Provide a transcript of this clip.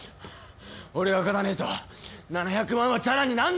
俺が勝たねえと７００万はちゃらになんねえんだよ。